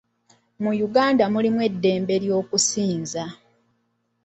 Mu Uganda mulimu eddembe ly'okusinza.